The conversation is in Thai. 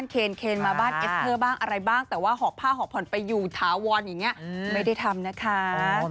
ก็ไม่มีอะไรอยู่แล้วค่ะ